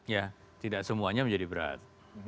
ya tidak semuanya menjadi berat